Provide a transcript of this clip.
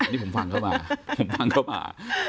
นี่ผมฟังเข้ามาผมฟังเข้ามา